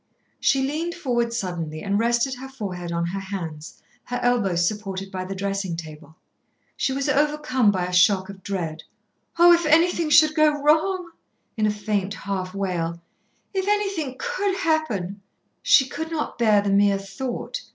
She leaned forward suddenly and rested her forehead on her hands, her elbows supported by the dressing table. She was overcome by a shock of dread. "Oh! if anything should go wrong!" in a faint half wail; "if anything could happen!" She could not bear the mere thought.